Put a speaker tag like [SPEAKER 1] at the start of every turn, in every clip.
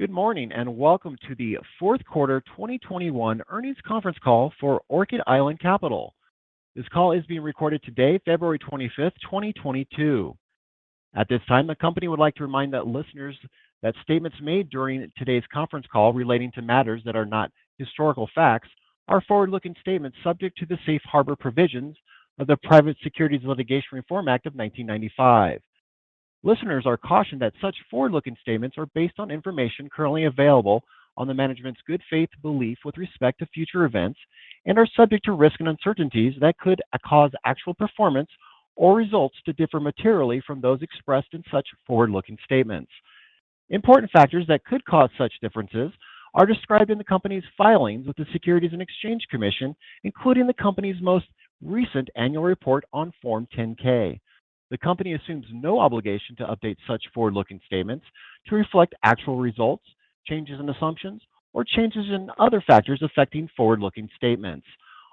[SPEAKER 1] Good morning, and welcome to the Q4 2021 Earnings Conference Call for Orchid Island Capital. This call is being recorded today, February 25, 2022. At this time, the company would like to remind listeners that statements made during today's conference call relating to matters that are not historical facts are forward-looking statements subject to the safe harbor provisions of the Private Securities Litigation Reform Act of 1995. Listeners are cautioned that such forward-looking statements are based on information currently available to management's good faith belief with respect to future events and are subject to risks and uncertainties that could cause actual performance or results to differ materially from those expressed in such forward-looking statements. Important factors that could cause such differences are described in the company's filings with the Securities and Exchange Commission, including the company's most recent annual report on Form 10-K. The company assumes no obligation to update such forward-looking statements to reflect actual results, changes in assumptions, or changes in other factors affecting forward-looking statements.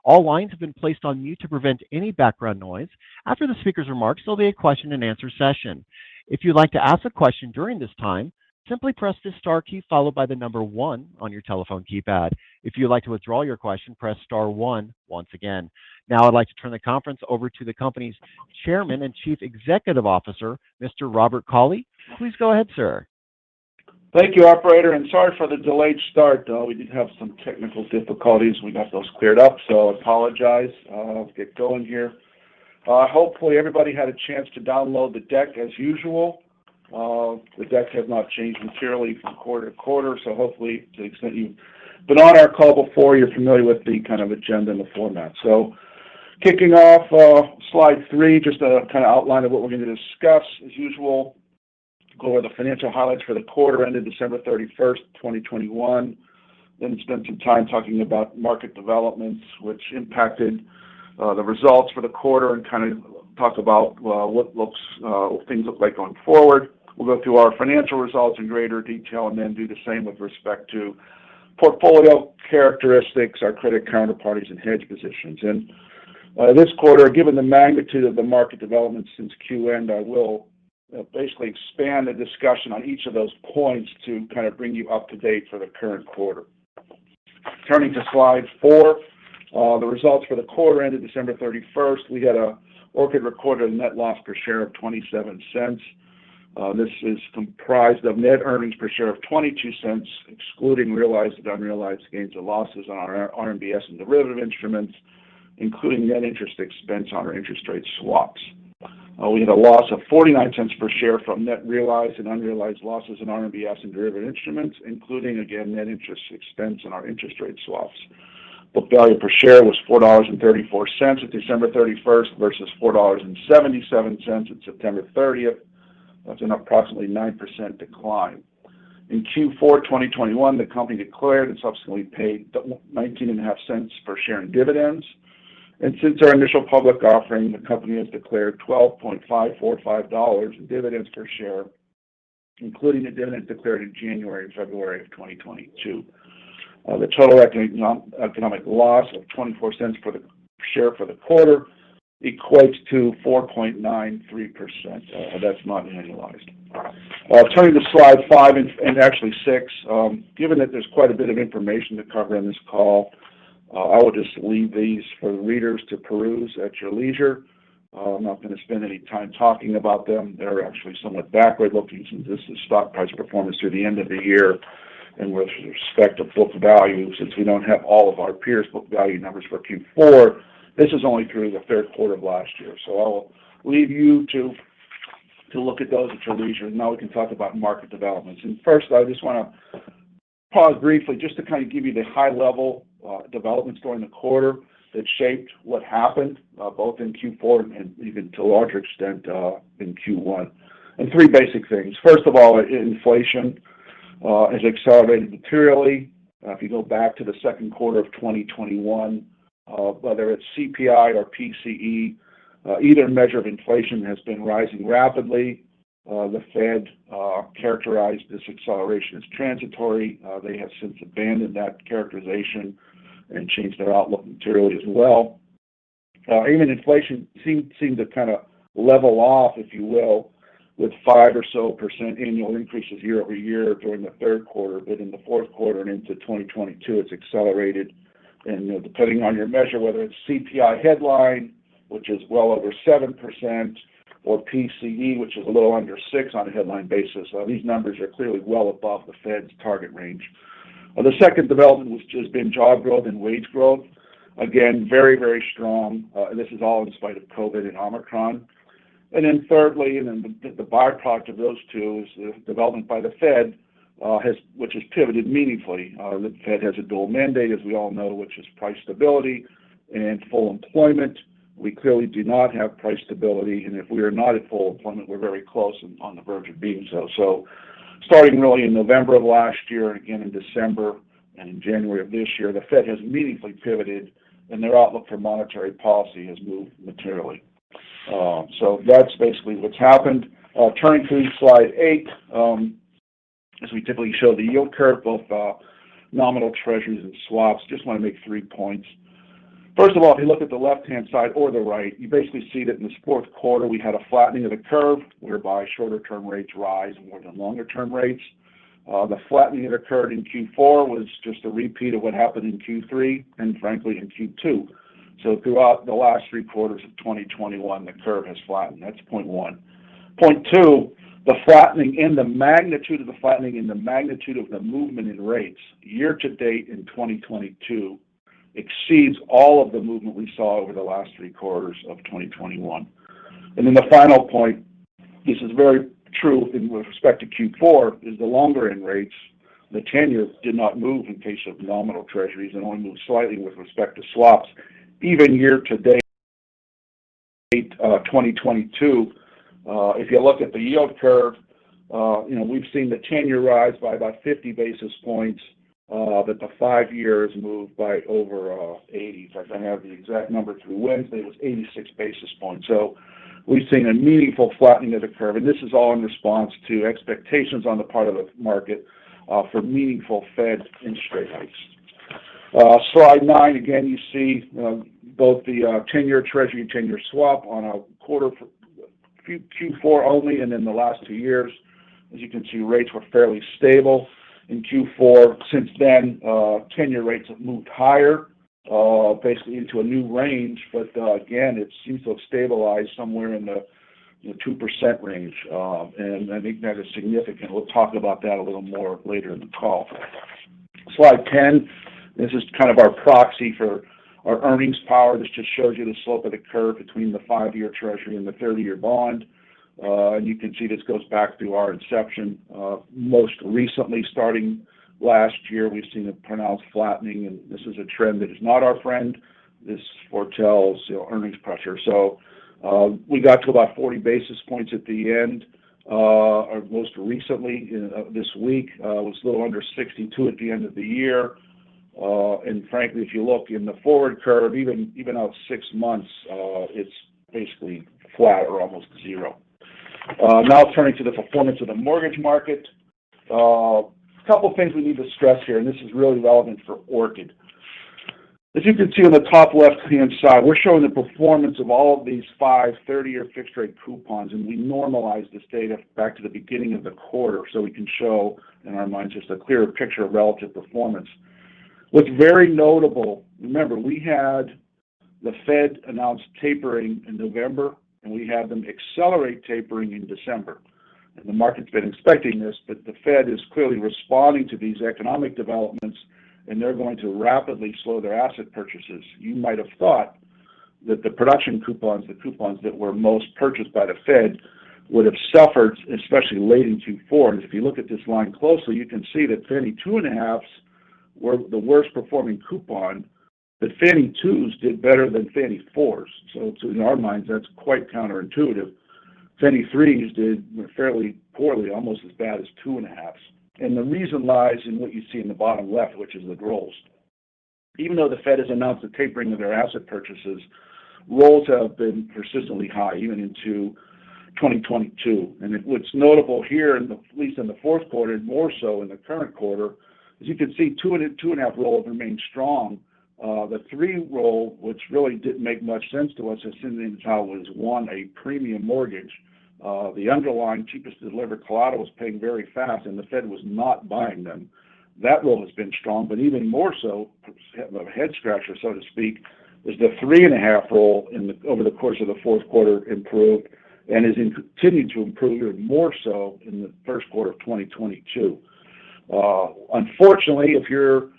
[SPEAKER 1] All lines have been placed on mute to prevent any background noise. After the speaker's remarks, there'll be a question-and-answer session. If you'd like to ask a question during this time, simply press the star key followed by the number one on your telephone keypad. If you'd like to withdraw your question, press star one once again. Now, I'd like to turn the conference over to the company's Chairman and Chief Executive Officer, Mr. Robert Cauley. Please go ahead, sir.
[SPEAKER 2] Thank you, operator, and sorry for the delayed start. We did have some technical difficulties. We got those cleared up, so apologize. Let's get going here. Hopefully, everybody had a chance to download the deck as usual. The decks have not changed materially from quarter-to-quarter, so hopefully, to the extent you've been on our call before, you're familiar with the kind of agenda and the format. Kicking off, slide three, just a kinda outline of what we're gonna discuss as usual. Go over the financial highlights for the quarter ended December 31, 2021, then spend some time talking about market developments which impacted the results for the quarter and kinda talk about things look like going forward. We'll go through our financial results in greater detail and then do the same with respect to portfolio characteristics, our credit counterparties, and hedge positions. This quarter, given the magnitude of the market developments since Q end, I will basically expand the discussion on each of those points to kind of bring you up to date for the current quarter. Turning to slide four, the results for the quarter ended December 31, Orchid recorded a net loss per share of $0.27. This is comprised of net earnings per share of $0.22, excluding realized and unrealized gains or losses on our RMBS and derivative instruments, including net interest expense on our interest rate swaps. We had a loss of $0.49 per share from net realized and unrealized losses in RMBS and derivative instruments, including, again, net interest expense on our interest rate swaps. Book value per share was $4.34 at December 31 versus $4.77 at September 30. That's an approximately 9% decline. In Q4 2021, the company declared and subsequently paid $0.195 per share in dividends. Since our initial public offering, the company has declared $12.545 in dividends per share, including the dividend declared in January and February of 2022. The total economic loss of $0.24 per share for the quarter equates to 4.93%. That's not annualized. Turning to Slide 5 and actually Slide 6, given that there's quite a bit of information to cover in this call, I will just leave these for the readers to peruse at your leisure. I'm not gonna spend any time talking about them. They're actually somewhat backward-looking, since this is stock price performance through the end of the year. With respect to book value, since we don't have all of our peers' book value numbers for Q4, this is only through the third quarter of last year. I'll leave you to look at those at your leisure. Now we can talk about market developments. First, I just wanna pause briefly just to kind of give you the high-level developments during the quarter that shaped what happened, both in Q4 and even to a larger extent, in Q1. Three basic things. First of all, inflation has accelerated materially. If you go back to the Q2 2021, whether it's CPI or PCE, either measure of inflation has been rising rapidly. The Fed characterized this acceleration as transitory. They have since abandoned that characterization and changed their outlook materially as well. Even if inflation seemed to kinda level off, if you will, with 5% or so annual increases year-over-year during the third quarter. In the Q4 and into 2022, it's accelerated. Depending on your measure, whether it's CPI headline, which is well over 7%, or PCE, which is a little under 6% on a headline basis, these numbers are clearly well above the Fed's target range. The second development, which has been job growth and wage growth, again, very, very strong. This is all in spite of COVID-19 and Omicron. Thirdly, the byproduct of those two is the development by the Fed, which has pivoted meaningfully. The Fed has a dual mandate, as we all know, which is price stability and full employment. We clearly do not have price stability, and if we are not at full employment, we're very close and on the verge of being so. Starting really in November of last year and again in December and in January of this year, the Fed has meaningfully pivoted, and their outlook for monetary policy has moved materially. That's basically what's happened. Turning to Slide 8, as we typically show the yield curve, both nominal Treasuries and swaps. Just wanna make three points. First of all, if you look at the left-hand side or the right, you basically see that in this fourth quarter we had a flattening of the curve whereby shorter term rates rise more than longer term rates. The flattening that occurred in Q4 was just a repeat of what happened in Q3 and frankly in Q2. Throughout the last three quarters of 2021, the curve has flattened. That's point one. Point two, the flattening and the magnitude of the flattening and the magnitude of the movement in rates year to date in 2022 exceeds all of the movement we saw over the last three quarters of 2021. Then the final point, this is very true in with respect to Q4, is the longer end rates. The 10-year did not move in case of nominal Treasuries and only moved slightly with respect to swaps. Even year to date, 2022, if you look at the yield curve, we've seen the 10-year rise by about 50 basis points, that the five years moved by over 80. If I have the exact number through Wednesday, it was 86 basis points. We've seen a meaningful flattening of the curve, and this is all in response to expectations on the part of the market for meaningful Fed interest rate hikes. Slide 9. Again, you see both the 10-year Treasury, 10-year swap on a Q4 only and in the last two years. As you can see, rates were fairly stable in Q4. Since then, 10-year rates have moved higher, basically into a new range. again, it seems to have stabilized somewhere in the 2% range, and I think that is significant. We'll talk about that a little more later in the call. Slide 10. This is kind of our proxy for our earnings power. This just shows you the slope of the curve between the five-year Treasury and the 30-year bond. And you can see this goes back to our inception. Most recently starting last year, we've seen a pronounced flattening, and this is a trend that is not our friend. This foretells earnings pressure. We got to about 40 basis points at the end, or most recently in this week. It was a little under 62 at the end of the year. Frankly, if you look in the forward curve, even out six months, it's basically flat or almost zero. Now turning to the performance of the mortgage market. A couple things we need to stress here, and this is really relevant for Orchid. As you can see on the top left-hand side, we're showing the performance of all of these five years and 30-year fixed-rate coupons, and we normalize this data back to the beginning of the quarter, so we can show, in our minds, just a clearer picture of relative performance. What's very notable. Remember, we had the Fed announce tapering in November, and we had them accelerate tapering in December. The market's been expecting this, but the Fed is clearly responding to these economic developments, and they're going to rapidly slow their asset purchases. You might have thought that the production coupons, the coupons that were most purchased by the Fed, would have suffered, especially late in Q4. If you look at this line closely, you can see that Fannie 2.5s were the worst-performing coupon, but Fannie 2s did better than Fannie 4s. In our minds, that's quite counterintuitive. Fannie 3s did fairly poorly, almost as bad as 2.5s. The reason lies in what you see in the bottom left, which is the rolls. Even though the Fed has announced the tapering of their asset purchases, rolls have been persistently high, even into 2022. What's notable here, at least in the fourth quarter and more so in the current quarter, as you can see, 2.5 rolls remain strong. The 3 roll, which really didn't make much sense to us, assuming how it was, one, a premium mortgage, the underlying cheapest to deliver collateral was paying very fast, and the Fed was not buying them. That roll has been strong, but even more so, a head-scratcher, so to speak, was the 3.5 roll over the course of the fourth quarter improved and has continued to improve more so in the Q1 2022. Unfortunately, if you're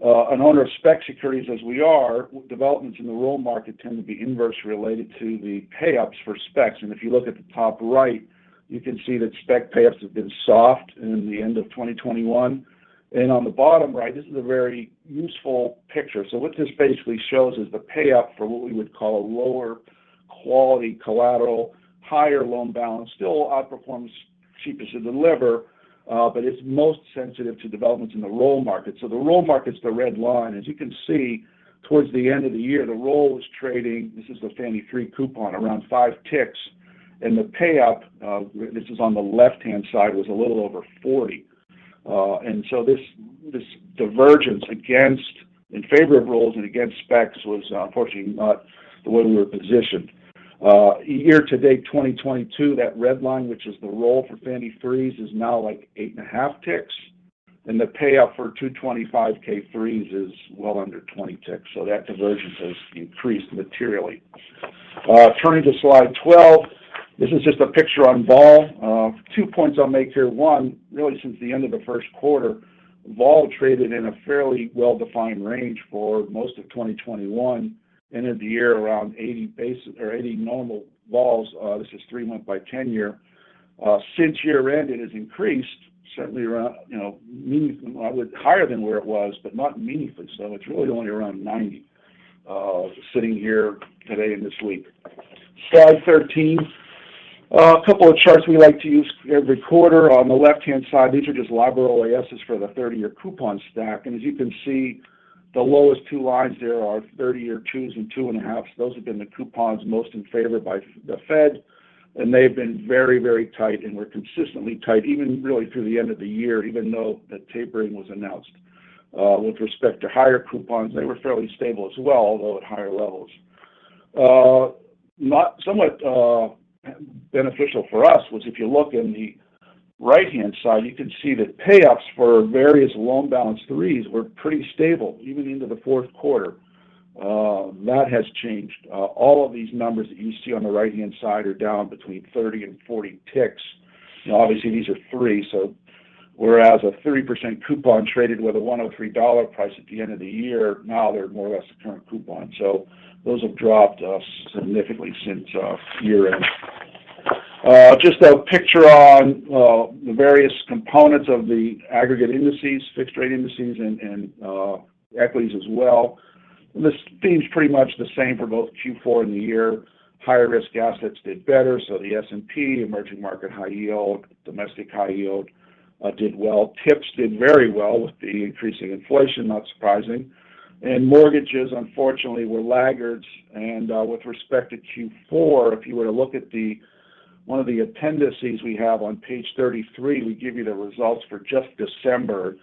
[SPEAKER 2] an owner of spec securities as we are, developments in the roll market tend to be inversely related to the payups for specs. If you look at the top right, you can see that spec payups have been soft in the end of 2021. On the bottom right, this is a very useful picture. What this basically shows is the pay-up for what we would call lower quality collateral, higher loan balance still outperforms cheapest to deliver, but it's most sensitive to developments in the roll market. The roll market's the red line. As you can see, towards the end of the year, the roll was trading, this is the Fannie 3 coupon, around five ticks. The pay-up, this is on the left-hand side, was a little over 40. This divergence against in favor of rolls and against specs was unfortunately not the way we were positioned. Year to date, 2022, that red line, which is the roll for Fannie 3s, is now like 8.5 ticks. The pay-up for 225K 3s is well under 20 ticks. That divergence has increased materially. Turning to Slide 12. This is just a picture on vol. Two points I'll make here. One, really since the end of the Q1, volatility traded in a fairly well-defined range for most of 2021. Ended the year around 80 basis or 80 normal vols. This is three-month by ten-year. Since year-end it has increased certainly around, meaning higher than where it was, but not meaningfully so. It's really only around 90, sitting here today in this leg. Slide 13. A couple of charts we like to use every quarter. On the left-hand side, these are just nominal OASs for the 30-year coupon stack. As you can see, the lowest two lines there are 30-year 2s and 2.5s. Those have been the coupons most in favor by the Fed, and they've been very, very tight and were consistently tight even really through the end of the year, even though the tapering was announced. With respect to higher coupons, they were fairly stable as well, although at higher levels. Now somewhat beneficial for us was if you look in the right-hand side, you can see that payoffs for various loan balance threes were pretty stable even into the Q4. That has changed. All of these numbers that you see on the right-hand side are down between 30 and 40 ticks. Obviously, these are threes. Whereas a 3% coupon traded with a $103 price at the end of the year, now they're more or less the current coupon. Those have dropped significantly since year-end. Just a picture on the various components of the aggregate indices, fixed rate indices and equities as well. This theme is pretty much the same for both Q4 and the year. Higher risk assets did better, so the S&P, emerging market high yield, domestic high yield did well. TIPS did very well with the increasing inflation, not surprising. Mortgages, unfortunately, were laggards. With respect to Q4, if you were to look at the one of the appendices we have on Page 33, we give you the results for just December.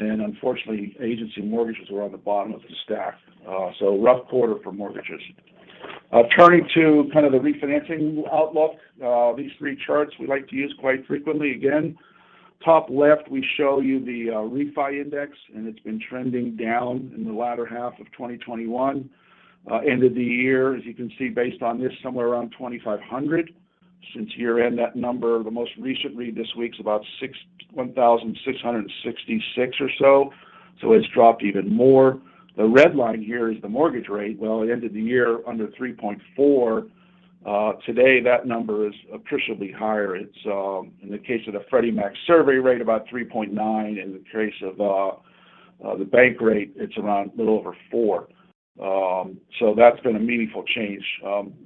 [SPEAKER 2] Unfortunately, agency mortgages were on the bottom of the stack. So a rough quarter for mortgages. Turning to kind of the refinancing outlook, these three charts we like to use quite frequently. Again, top left, we show you the refi index, and it's been trending down in the latter half of 2021. End of the year, as you can see, based on this, somewhere around 2,500. Since year-end, that number, the most recent read this week is about 1,666 or so. It's dropped even more. The red line here is the mortgage rate. Well, it ended the year under 3.4. Today, that number is appreciably higher. It's in the case of the Freddie Mac survey rate, about 3.9. In the case of the Bankrate, it's around a little over four. That's been a meaningful change.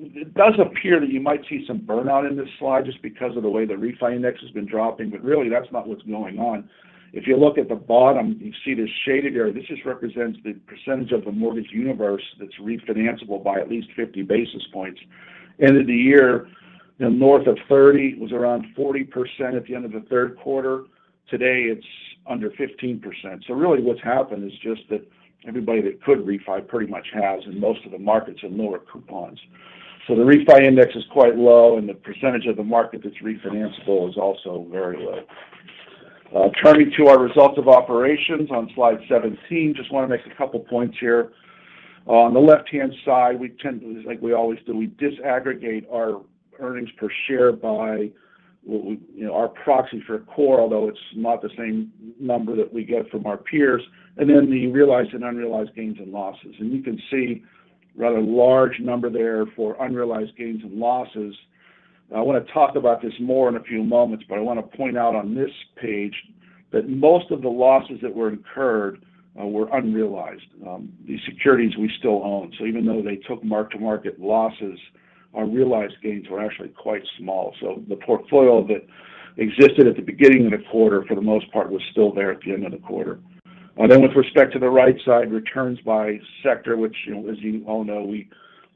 [SPEAKER 2] It does appear that you might see some burnout in this slide just because of the way the refi index has been dropping, but really that's not what's going on. If you look at the bottom, you see this shaded area. This just represents the percentage of a mortgage universe that's refinanceable by at least 50 basis points. End of the year, north of 30, it was around 40% at the end of the Q3. Today, it's under 15%. Really what's happened is just that everybody that could refi pretty much has, and most of the markets are lower coupons. The refi index is quite low, and the percentage of the market that's refinanceable is also very low. Turning to our results of operations on Slide 17. Just want to make a couple of points here. On the left-hand side, we tend to, like we always do, we disaggregate our earnings per share by what we, you know, our proxy for core, although it's not the same number that we get from our peers, and then the realized and unrealized gains and losses. You can see a rather large number there for unrealized gains and losses. I want to talk about this more in a few moments, but I want to point out on this page that most of the losses that were incurred were unrealized. These securities we still own. Even though they took mark-to-market losses, our realized gains were actually quite small. The portfolio that existed at the beginning of the quarter, for the most part, was still there at the end of the quarter. With respect to the right side, returns by sector, which, you know, as you all know, we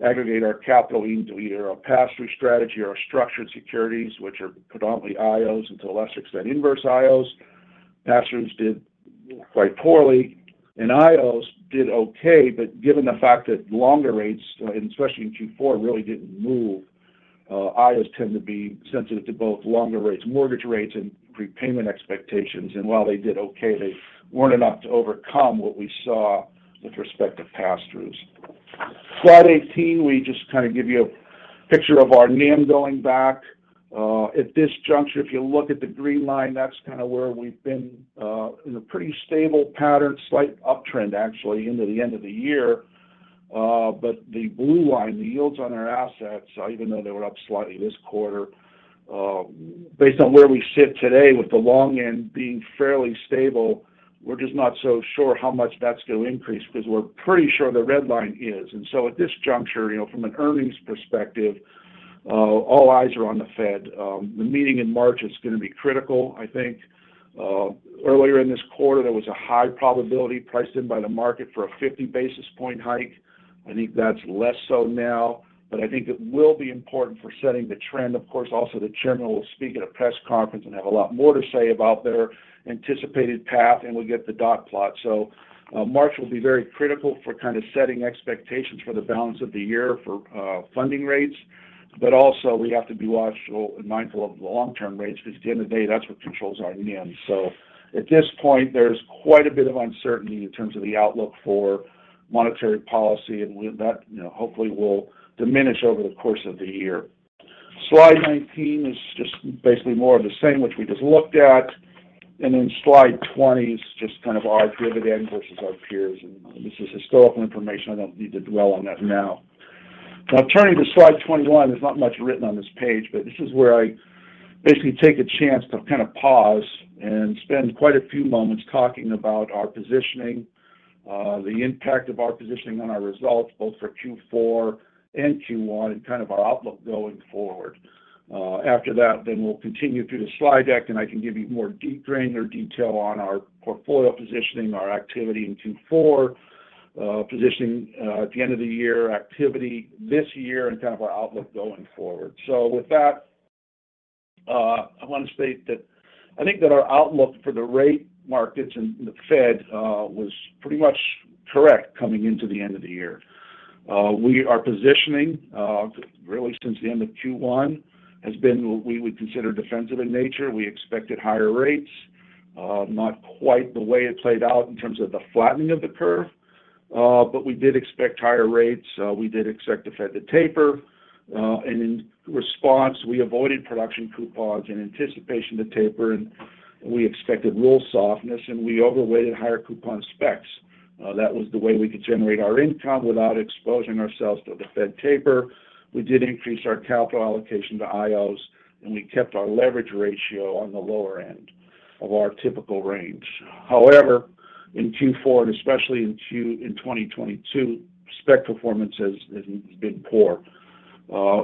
[SPEAKER 2] aggregate our capital into either our pass-through strategy, our structured securities, which are predominantly IOs, and to a lesser extent, inverse IOs. Pass-throughs did quite poorly, and IOs did okay. Given the fact that longer rates, and especially in Q4, really didn't move, IOs tend to be sensitive to both longer rates, mortgage rates, and prepayment expectations. While they did okay, they weren't enough to overcome what we saw with respect to pass-throughs. Slide 18, we just kind of give you a picture of our NIM going back. At this juncture, if you look at the green line, that's kind of where we've been, in a pretty stable pattern, slight uptrend actually into the end of the year. The blue line, the yields on our assets, even though they were up slightly this quarter, based on where we sit today with the long end being fairly stable, we're just not so sure how much that's going to increase because we're pretty sure the red line is. At this juncture, you know, from an earnings perspective, all eyes are on the Fed. The meeting in March is going to be critical. I think, earlier in this quarter, there was a high probability priced in by the market for a 50 basis point hike. I think that's less so now, but I think it will be important for setting the trend. Of course, also, the chairman will speak at a press conference and have a lot more to say about their anticipated path, and we'll get the dot plot. March will be very critical for kind of setting expectations for the balance of the year for funding rates. We have to be watchful and mindful of the long-term rates because at the end of the day, that's what controls our NIM. At this point, there's quite a bit of uncertainty in terms of the outlook for monetary policy, and that, you know, hopefully will diminish over the course of the year. Slide 19 is just basically more of the same, which we just looked at. Then Slide 20 is just kind of our dividend versus our peers. This is historical information. I don't need to dwell on that now. Now, turning to Slide 21, there's not much written on this page, but this is where I basically take a chance to kind of pause and spend quite a few moments talking about our positioning, the impact of our positioning on our results, both for Q4 and Q1, and kind of our outlook going forward. After that, we'll continue through the slide deck, and I can give you more depth and detail on our portfolio positioning, our activity in Q4, positioning at the end of the year, activity this year, and kind of our outlook going forward. With that, I want to state that I think that our outlook for the rate markets and the Fed was pretty much correct coming into the end of the year. Our positioning really since the end of Q1 has been what we would consider defensive in nature. We expected higher rates, not quite the way it played out in terms of the flattening of the curve, but we did expect higher rates. We did expect the Fed to taper, and in response, we avoided production coupons in anticipation to taper, and we expected roll softness, and we overweighted higher coupon specs. That was the way we could generate our income without exposing ourselves to the Fed taper. We did increase our capital allocation to IOs, and we kept our leverage ratio on the lower end of our typical range. However, in Q4, and especially in 2022, spec performance has been poor.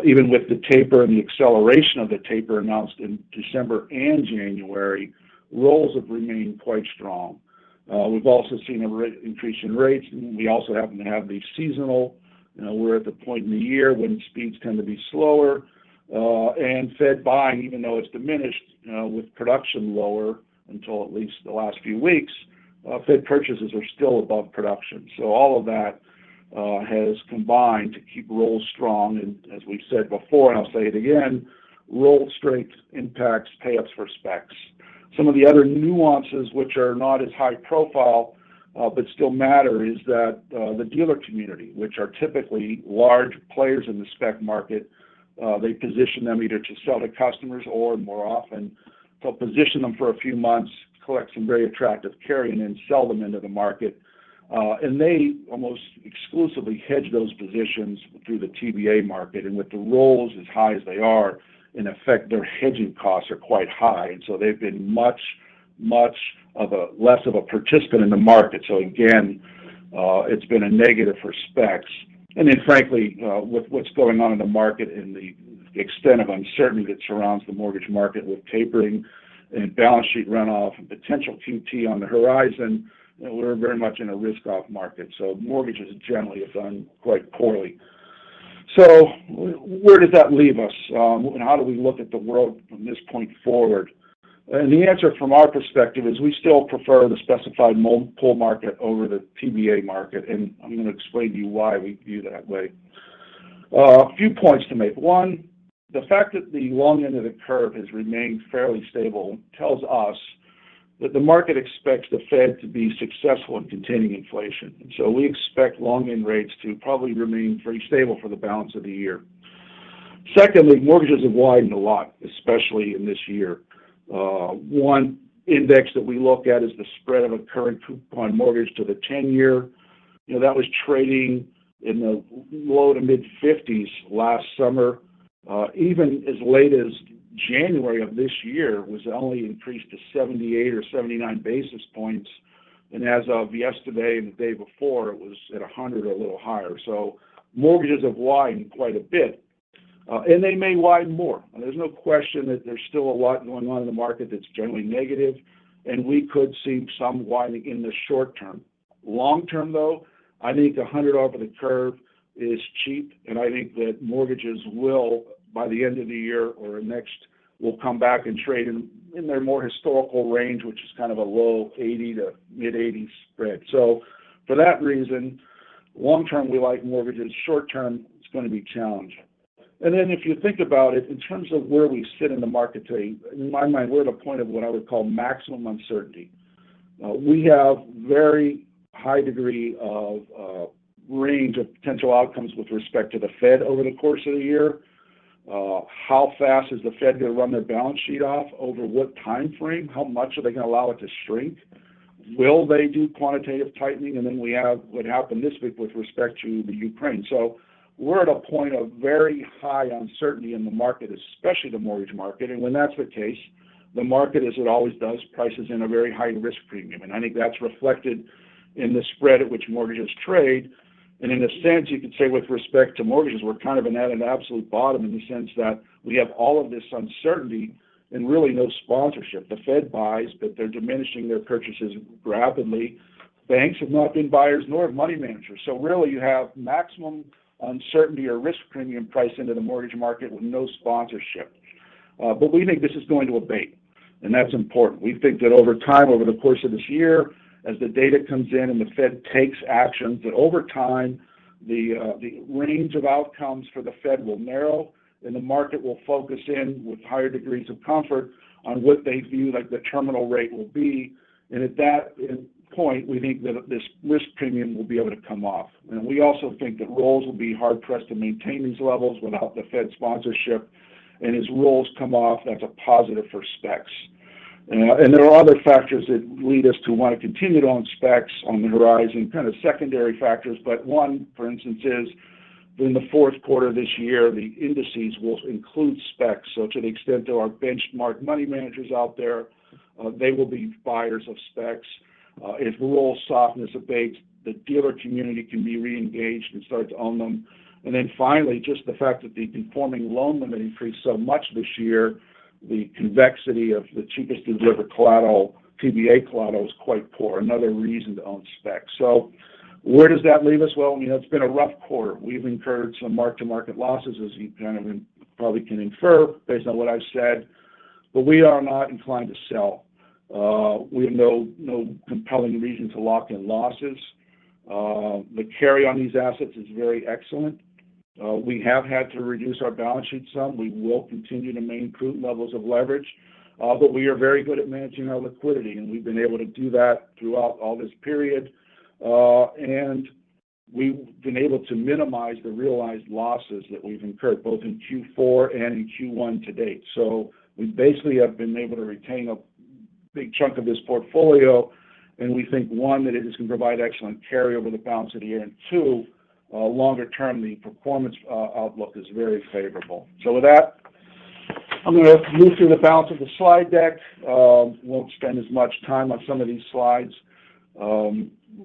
[SPEAKER 2] Even with the taper and the acceleration of the taper announced in December and January, rolls have remained quite strong. We've also seen an increase in rates, and we also happen to have the seasonality. You know, we're at the point in the year when speeds tend to be slower, and Fed buying, even though it's diminished, with production lower until at least the last few weeks, Fed purchases are still above production. So all of that has combined to keep rolls strong. As we've said before, and I'll say it again, roll strength impacts payups for specs. Some of the other nuances which are not as high profile, but still matter is that, the dealer community, which are typically large players in the spec market, they position them either to sell to customers or more often to position them for a few months, collect some very attractive carry and then sell them into the market. They almost exclusively hedge those positions through the TBA market. With the rolls as high as they are, in effect, their hedging costs are quite high. They've been much less of a participant in the market. It's been a negative for specs. Frankly, with what's going on in the market and the extent of uncertainty that surrounds the mortgage market with tapering and balance sheet runoff and potential QT on the horizon, we're very much in a risk-off market. Mortgages generally have done quite poorly. Where does that leave us? How do we look at the world from this point forward? The answer from our perspective is we still prefer the specified pool market over the TBA market. I'm going to explain to you why we view that way. A few points to make. One, the fact that the long end of the curve has remained fairly stable tells us that the market expects the Fed to be successful in containing inflation. We expect long end rates to probably remain pretty stable for the balance of the year. Secondly, mortgages have widened a lot, especially in this year. One index that we look at is the spread of a current coupon mortgage to the 10-year. You know, that was trading in the low- to mid-50s last summer. Even as late as January of this year, it was only increased to 78 basis points or 79 basis points. As of yesterday and the day before, it was at 100 basis points or a little higher. Mortgages have widened quite a bit, and they may widen more. There's no question that there's still a lot going on in the market that's generally negative, and we could see some widening in the short term. Long term, though, I think 100 over the curve is cheap, and I think that mortgages will, by the end of the year or next, will come back and trade in their more historical range, which is kind of a low 80 to mid-80 spread. So for that reason, long term, we like mortgages. Short term, it's going to be challenging. If you think about it, in terms of where we sit in the market today, in my mind, we're at a point of what I would call maximum uncertainty. We have very high degree of range of potential outcomes with respect to the Fed over the course of the year. How fast is the Fed going to run their balance sheet off? Over what time frame? How much are they going to allow it to shrink? Will they do quantitative tightening? Then we have what happened this week with respect to the Ukraine. We're at a point of very high uncertainty in the market, especially the mortgage market. When that's the case, the market, as it always does, prices in a very high risk premium. I think that's reflected in the spread at which mortgages trade. In a sense, you could say with respect to mortgages, we're kind of at an absolute bottom in the sense that we have all of this uncertainty and really no sponsorship. The Fed buys, but they're diminishing their purchases rapidly. Banks have not been buyers nor have money managers. Really, you have maximum uncertainty or risk premium priced into the mortgage market with no sponsorship. We think this is going to abate, and that's important. We think that over time, over the course of this year, as the data comes in and the Fed takes action, that over time, the range of outcomes for the Fed will narrow and the market will focus in with higher degrees of comfort on what they view, like, the terminal rate will be. At that point, we think that this risk premium will be able to come off. We also think that rolls will be hard-pressed to maintain these levels without the Fed sponsorship. As rolls come off, that's a positive for specs. There are other factors that lead us to want to continue to own specs on the horizon, kind of secondary factors. One, for instance, is in the fourth quarter this year, the indices will include specs. To the extent there are benchmark money managers out there, they will be buyers of specs. If roll softness abates, the dealer community can be re-engaged and start to own them. Finally, just the fact that the conforming loan limit increased so much this year, the convexity of the cheapest-to-deliver collateral, TBA collateral, is quite poor, another reason to own specs. Where does that leave us? Well, you know, it's been a rough quarter. We've incurred some mark-to-market losses, as you kind of probably can infer based on what I've said, but we are not inclined to sell. We have no compelling reason to lock in losses. The carry on these assets is very excellent. We have had to reduce our balance sheet some. We will continue to maintain prudent levels of leverage, but we are very good at managing our liquidity, and we've been able to do that throughout all this period. We've been able to minimize the realized losses that we've incurred both in Q4 and in Q1 to date. We basically have been able to retain a big chunk of this portfolio, and we think, one, that it is going to provide excellent carry over the balance of the year, and two, longer term, the performance outlook is very favorable. With that, I'm going to move through the balance of the slide deck. Won't spend as much time on some of these slides.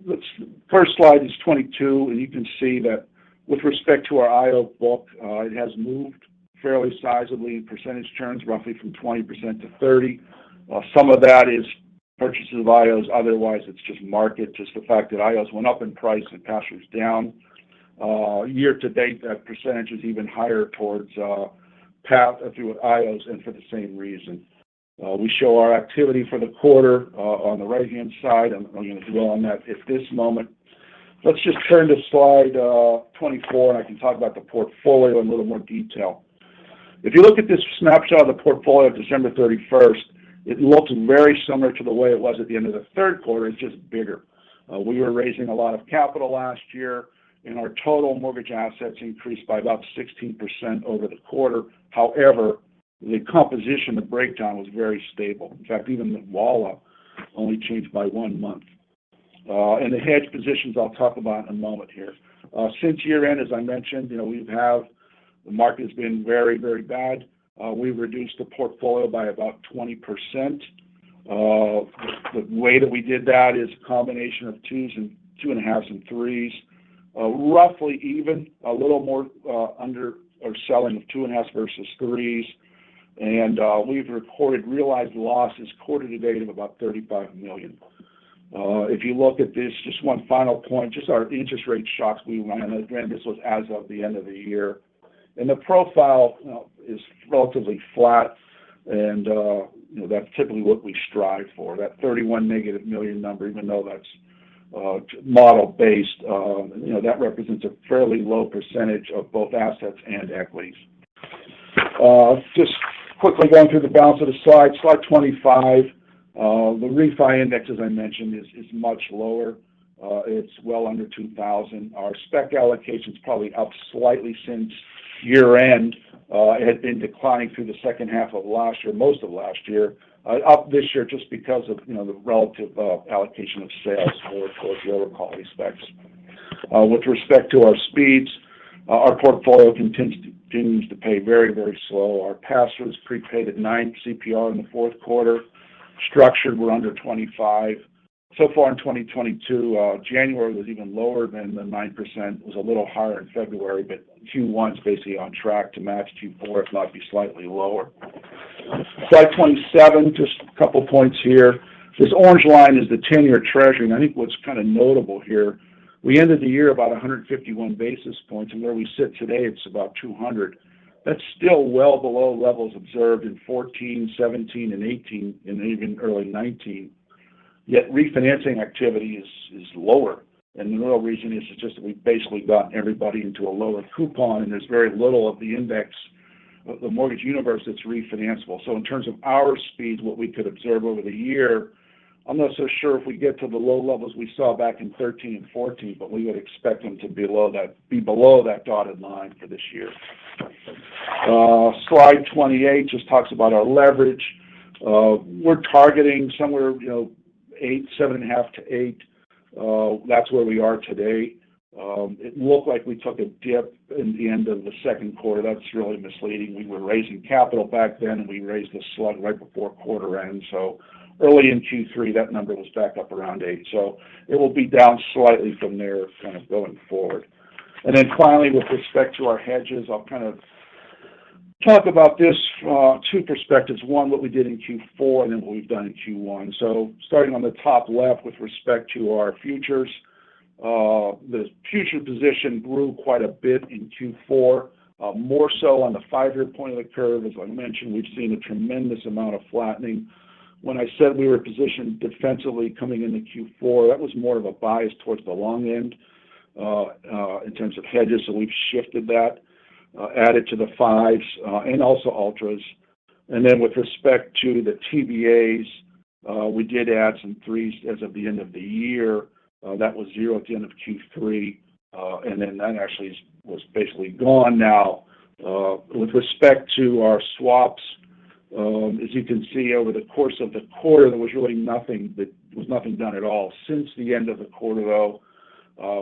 [SPEAKER 2] Let's first Slide 22, and you can see that with respect to our IO book, it has moved fairly sizably in percentage terms, roughly from 20% to 30%. Some of that is purchases of IOs. Otherwise, it's just market, just the fact that IOs went up in price and pass-throughs down. Year-to-date, that percentage is even higher towards pass-through IOs and for the same reason. We show our activity for the quarter on the right-hand side. I'm not going to dwell on that at this moment. Let's just turn to Slide 24, and I can talk about the portfolio in a little more detail. If you look at this snapshot of the portfolio of December 31, it looks very similar to the way it was at the end of the third quarter. It's just bigger. We were raising a lot of capital last year, and our total mortgage assets increased by about 16% over the quarter. However, the composition, the breakdown was very stable. In fact, even the WALA only changed by one month. The hedge positions I'll talk about in a moment here. Since year-end, as I mentioned, you know, the market's been very, very bad. We reduced the portfolio by about 20%. The way that we did that is a combination of 2s and 2.5s and 3s, roughly even, a little more and the selling of 2.5s versus 3s. We've recorded realized losses quarter-to-date of about $35 million. If you look at this, just one final point, just our interest rate shocks we ran. Again, this was as of the end of the year. The profile, you know, is relatively flat, and, you know, that's typically what we strive for. That -$31 million number, even though that's model-based, that represents a fairly low percentage of both assets and equities. Just quickly going through the balance of the slides, Slide 25, the refi index, as I mentioned, is much lower. It's well under 2,000. Our spec allocation's probably up slightly since year-end. It had been declining through the second half of last year, most of last year. Up this year just because of, the relative allocation of sales towards the overquality specs. With respect to our speeds, our portfolio continues to pay very, very slow. Our pass-throughs prepaid at 9 CPR in the Q4. Structured were under 2025. So far in 2022, January was even lower than the 9%. It was a little higher in February, but Q1's basically on track to match Q4. It might be slightly lower. Slide 27, just a couple points here. This orange line is the 10-year treasury, and I think what's kind of notable here, we ended the year about 151 basis points, and where we sit today, it's about 200. That's still well below levels observed in 2014, 2017, and 2018, and even early 2019. Yet refinancing activity is lower, and the real reason is just that we've basically gotten everybody into a lower coupon, and there's very little of the index, of the mortgage universe that's refinanceable. In terms of our speeds, what we could observe over the year, I'm not so sure if we get to the low levels we saw back in 2013 and 2014, but we would expect them to be below that dotted line for this year. Slide 28 just talks about our leverage. We're targeting somewhere, you know, 7.5x to 8.0x. That's where we are today. It looked like we took a dip in the end of the second quarter. That's really misleading. We were raising capital back then, and we raised a slug right before quarter end. Early in Q3, that number was back up around 8.0x. It will be down slightly from there kind of going forward. Finally, with respect to our hedges, I'll kind of talk about this from two perspectives. One, what we did in Q4, and then what we've done in Q1. Starting on the top left with respect to our futures, the futures position grew quite a bit in Q4, more so on the five-year point of the curve. As I mentioned, we've seen a tremendous amount of flattening. When I said we were positioned defensively coming into Q4, that was more of a bias towards the long end in terms of hedges. We've shifted that, added to the 5-year sector, and also ultras. With respect to the TBAs, we did add some 3.0x as of the end of the year. That was zero at the end of Q3. That actually was basically gone now. With respect to our swaps, as you can see over the course of the quarter, there was nothing done at all. Since the end of the quarter though,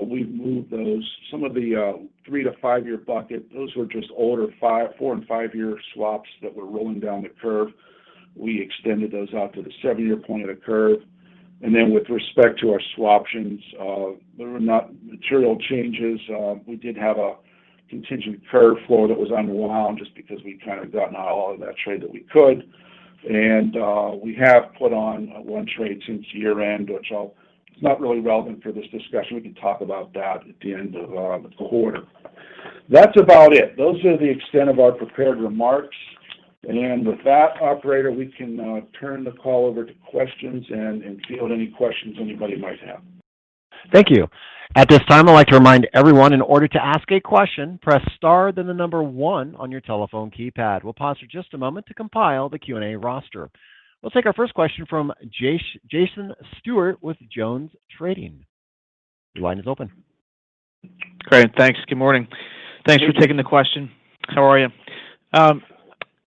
[SPEAKER 2] we've moved those. Some of the three- to five-year bucket, those were just older four- and five-year swaps that were rolling down the curve. We extended those out to the seven-year point of the curve. We have put on one trade since year-end, which it's not really relevant for this discussion. We can talk about that at the end of the quarter. That's about it. Those are the extent of our prepared remarks. With that, operator, we can turn the call over to questions and field any questions anybody might have.
[SPEAKER 1] Thank you. At this time, I'd like to remind everyone, in order to ask a question, press Star, then the number one on your telephone keypad. We'll pause for just a moment to compile the Q&A roster. We'll take our first question from Jason Stewart with Jones Trading. Your line is open.
[SPEAKER 3] Great, thanks. Good morning.
[SPEAKER 2] Hey.
[SPEAKER 3] Thanks for taking the question. How are you? I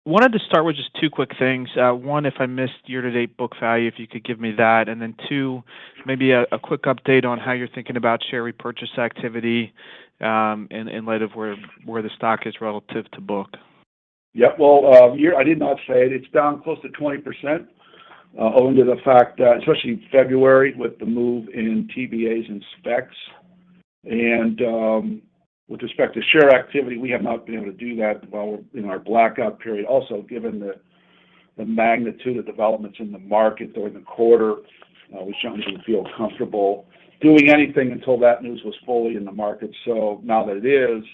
[SPEAKER 3] wanted to start with just two quick things. One, if I missed year-to-date book value, if you could give me that. Two, maybe a quick update on how you're thinking about share repurchase activity, in light of where the stock is relative to book.
[SPEAKER 2] Yeah. Well, I did not say it. It's down close to 20%, owing to the fact that, especially in February with the move in TBAs and specs. With respect to share activity, we have not been able to do that while we're in our blackout period. Also, given the magnitude of developments in the market during the quarter, we certainly didn't feel comfortable doing anything until that news was fully in the market. Now that it is,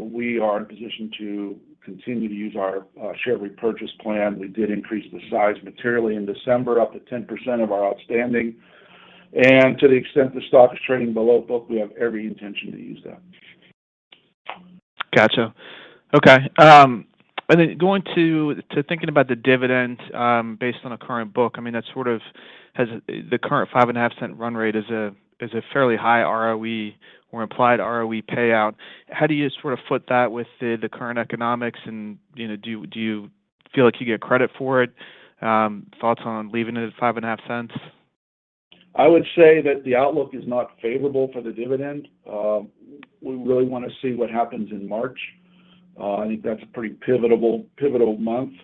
[SPEAKER 2] we are in a position to continue to use our share repurchase plan. We did increase the size materially in December, up to 10% of our outstanding. To the extent the stock is trading below book, we have every intention to use that.
[SPEAKER 3] Gotcha. Okay. Going to thinking about the dividend, based on a current book, I mean, that sort of has the current $0.055 run rate is a fairly high ROE or implied ROE payout. How do you sort of foot that with the current economics and, you know, do you feel like you get credit for it? Thoughts on leaving it at $0.055?
[SPEAKER 2] I would say that the outlook is not favorable for the dividend. We really wanna see what happens in March. I think that's a pretty pivotal month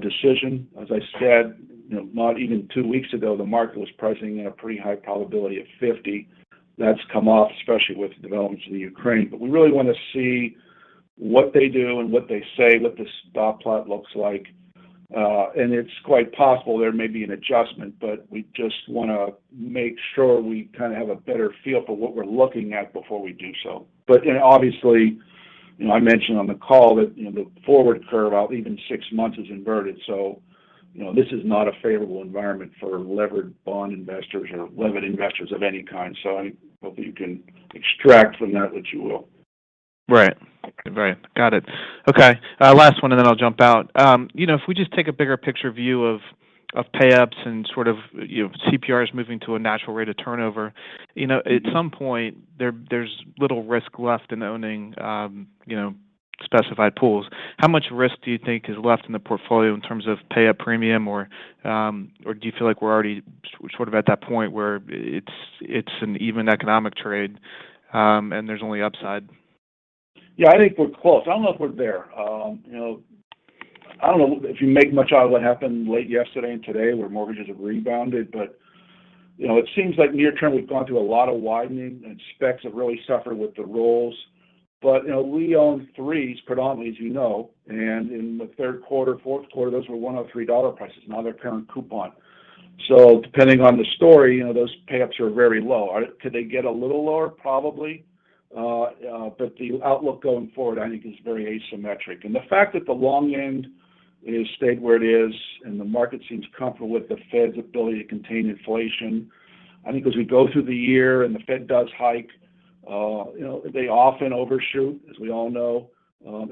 [SPEAKER 2] decision. As I said, you know, not even two weeks ago, the market was pricing in a pretty high probability of 50. That's come off, especially with the developments in Ukraine. We really wanna see what they do and what they say, what the dot plot looks like. It's quite possible there may be an adjustment, but we just wanna make sure we kinda have a better feel for what we're looking at before we do so. Obviously, you know, I mentioned on the call that, the forward curve out even six months is inverted. This is not a favorable environment for levered bond investors or levered investors of any kind. I hope you can extract from that what you will.
[SPEAKER 3] Right. Got it. Okay. Last one, and then I'll jump out. If we just take a bigger picture view of payups and sort of, CPRs moving to a natural rate of turnover, you know.
[SPEAKER 2] Mm-hmm
[SPEAKER 3] At some point, there's little risk left in owning, you know, specified pools. How much risk do you think is left in the portfolio in terms of payup premium or do you feel like we're already sort of at that point where it's an even economic trade, and there's only upside?
[SPEAKER 2] Yeah, I think we're close. I don't know if we're there. I don't know if you make much out of what happened late yesterday and today, where mortgages have rebounded. It seems like near term, we've gone through a lot of widening, and specs have really suffered with the rolls. We own threes predominantly, as you know. In the Q3, Q4, those were $103 prices. Now they're current coupon. Depending on the story, you know, those payups are very low. Could they get a little lower? Probably. The outlook going forward, I think, is very asymmetric. The fact that the long end has stayed where it is and the market seems comfortable with the Fed's ability to contain inflation, I think as we go through the year and the Fed does hike, you know, they often overshoot, as we all know.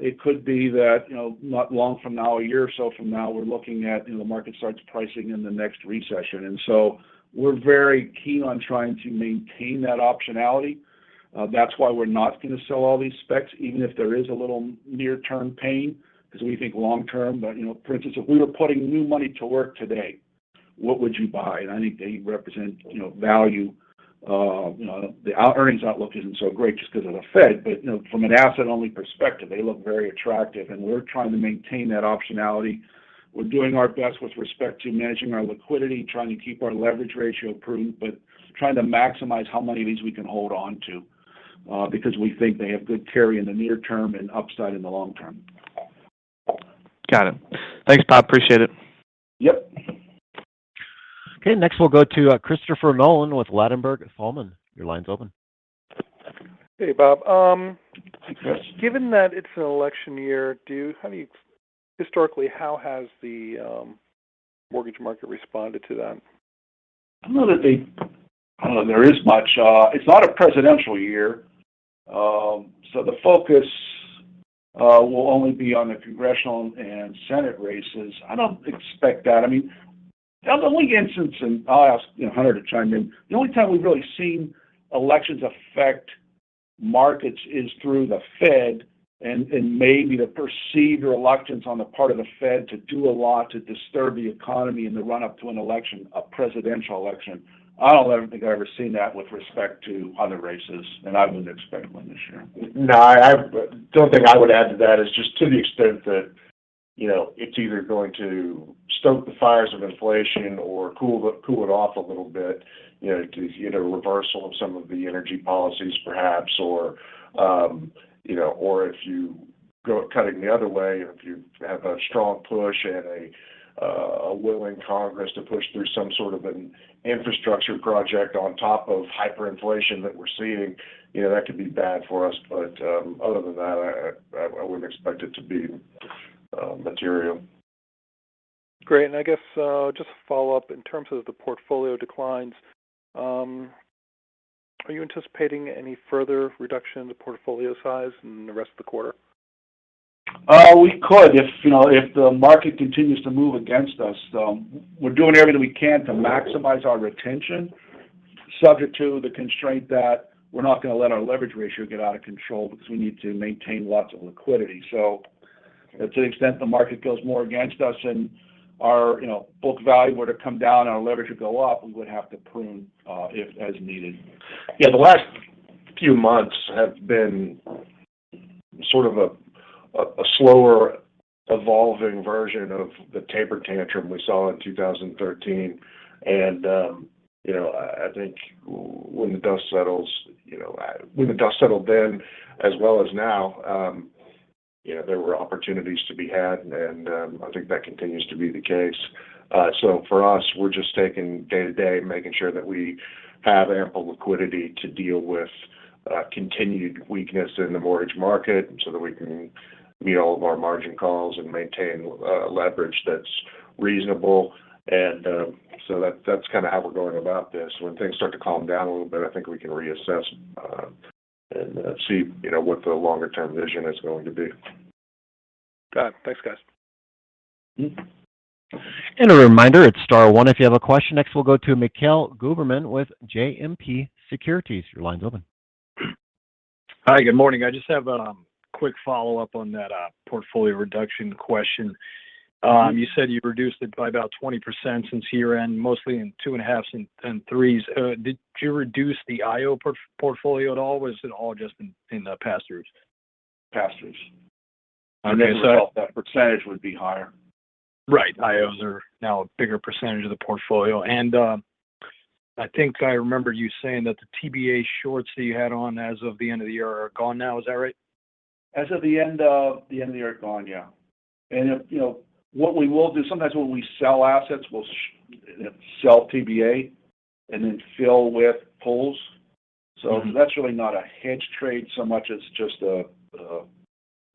[SPEAKER 2] It could be that, you know, not long from now, a year or so from now, we're looking at, the market starts pricing in the next recession. We're very keen on trying to maintain that optionality. That's why we're not gonna sell all these specs, even if there is a little near-term pain, 'cause we think long term. You know, for instance, if we were putting new money to work today, what would you buy? I think they represent, value. The earnings outlook isn't so great just 'cause of the Fed, but, from an asset-only perspective, they look very attractive, and we're trying to maintain that optionality. We're doing our best with respect to managing our liquidity, trying to keep our leverage ratio prudent, but trying to maximize how many of these we can hold on to, because we think they have good carry in the near term and upside in the long term.
[SPEAKER 3] Got it. Thanks, Bob. I appreciate it.
[SPEAKER 2] Yep.
[SPEAKER 1] Okay. Next, we'll go to Christopher Nolan with Ladenburg Thalmann. Your line's open.
[SPEAKER 4] Hey, Bob.
[SPEAKER 2] Yes
[SPEAKER 4] given that it's an election year, historically, how has the mortgage market responded to that?
[SPEAKER 2] I don't know that there is much. It's not a presidential year, so the focus will only be on the congressional and Senate races. I don't expect that. I mean, the only instance, and I'll ask, Hunter to chime in, the only time we've really seen elections affect markets is through the Fed and maybe the perceived reluctance on the part of the Fed to do a lot to disturb the economy in the run-up to an election, a presidential election. I don't think I've ever seen that with respect to other races, and I wouldn't expect one this year. No, I don't think I would add to that.
[SPEAKER 5] It's just to the extent that, it's either going to stoke the fires of inflation or cool it off a little bit, you know, to, you know, reversal of some of the energy policies perhaps or if you go cutting the other way, or if you have a strong push and a willing Congress to push through some sort of an infrastructure project on top of hyperinflation that we're seeing, that could be bad for us. Other than that, I wouldn't expect it to be material.
[SPEAKER 4] Great. I guess, just to follow up in terms of the portfolio declines, are you anticipating any further reduction in the portfolio size in the rest of the quarter?
[SPEAKER 2] We could if, you know, if the market continues to move against us. We're doing everything we can to maximize our retention subject to the constraint that we're not gonna let our leverage ratio get out of control because we need to maintain lots of liquidity. To the extent the market goes more against us and our, book value were to come down and our leverage would go up, we would have to prune if as needed. Yeah, the last few months have been sort of a slower evolving version of the taper tantrum we saw in 2013. I think when the dust settles, you know. When the dust settled then as well as now, there were opportunities to be had, and I think that continues to be the case. For us, we're just taking day to day, making sure that we have ample liquidity to deal with continued weakness in the mortgage market so that we can meet all of our margin calls and maintain leverage that's reasonable. That's kinda how we're going about this. When things start to calm down a little bit, I think we can reassess and see, what the longer-term vision is going to be.
[SPEAKER 4] Got it. Thanks, guys.
[SPEAKER 1] A reminder, it's star one if you have a question. Next we'll go to Mikhail Goberman with JMP Securities. Your line's open.
[SPEAKER 6] Hi. Good morning. I just have a quick follow-up on that portfolio reduction question. You said you reduced it by about 20% since year-end, mostly in 2.5s and 3.0s. Did you reduce the IO portfolio at all, or is it all just in the pass-throughs?
[SPEAKER 2] Pass-throughs.
[SPEAKER 6] Okay.
[SPEAKER 2] That percentage would be higher.
[SPEAKER 6] Right. IOs are now a bigger percentage of the portfolio. I think I remember you saying that the TBA shorts that you had on as of the end of the year are gone now. Is that right?
[SPEAKER 2] As of the end of the year are gone, yeah. If, you know, what we will do sometimes when we sell assets, we'll sell TBA and then fill with pools.
[SPEAKER 6] Mm-hmm.
[SPEAKER 2] That's really not a hedge trade so much as just a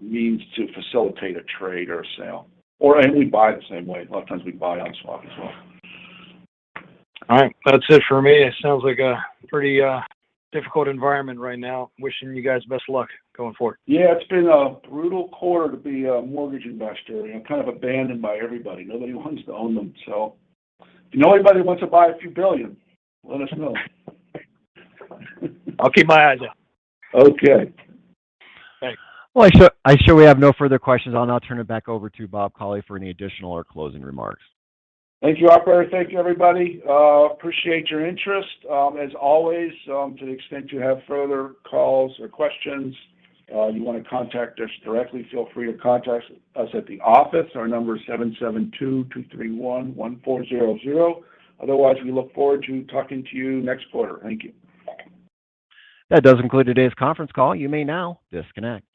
[SPEAKER 2] means to facilitate a trade or a sale. We buy the same way. A lot of times we buy on swap as well.
[SPEAKER 6] All right. That's it for me. It sounds like a pretty difficult environment right now. Wishing you guys best luck going forward.
[SPEAKER 2] Yeah, it's been a brutal quarter to be a mortgage investor, and kind of abandoned by everybody. Nobody wants to own them. If you know anybody who wants to buy $ a few billion, let us know.
[SPEAKER 6] I'll keep my eyes out.
[SPEAKER 2] Okay.
[SPEAKER 6] Thanks.
[SPEAKER 1] Well, I'm showing we have no further questions. I'll now turn it back over to Bob Cauley for any additional or closing remarks.
[SPEAKER 2] Thank you, operator. Thank you, everybody. Appreciate your interest. As always, to the extent you have further calls or questions, you wanna contact us directly, feel free to contact us at the office. Our number is 772-231-1400. Otherwise, we look forward to talking to you next quarter. Thank you.
[SPEAKER 1] That does conclude today's conference call. You may now disconnect.